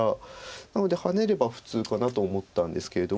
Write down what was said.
なのでハネれば普通かなと思ったんですけれども。